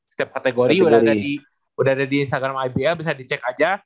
setiap kategori udah ada di instagram ibl bisa dicek aja